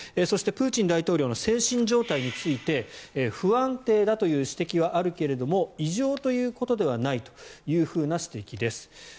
そして、プーチン大統領の精神状態について不安定だという指摘はあるけども異常ということではないという指摘です。